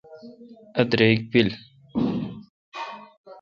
ا دریک پیل۔